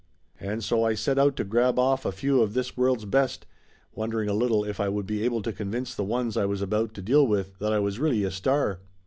And so I set out to grab off a few of this world's best, wondering a little if I would be able to convince the ones I was about to deal with that I was really a star.